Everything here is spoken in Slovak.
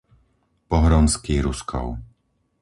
Pohronský Ruskov